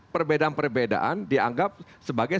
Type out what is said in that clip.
perbedaan perbedaan dianggap sebagai